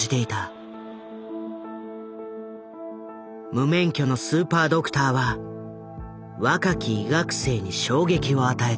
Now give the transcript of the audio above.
無免許のスーパードクターは若き医学生に衝撃を与えた。